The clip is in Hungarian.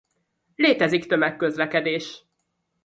Létezik tömegközlekedés.